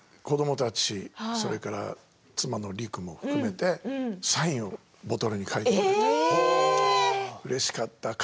子どもたち、それから妻の、りくも含めてサインをボトルに書いてくれてうれしかった。